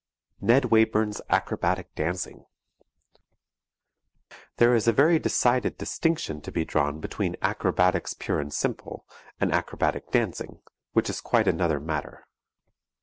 NED WAYBURN'S ACROBATIC DANCING There is a very decided distinction to be drawn between acrobatics pure and simple, and acrobatic dancing, which is quite another matter.